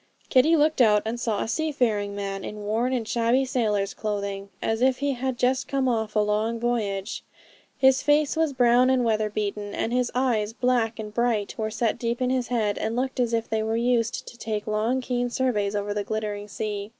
Kitty looked out and saw a seafaring man, in worn and shabby sailor's clothing, as if he had just come off a long voyage. His face was brown and weather beaten; and his eyes, black and bright, were set deep in his head, and looked as if they were used to take long, keen surveys over the glittering sea.